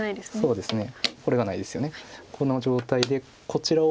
そうですね。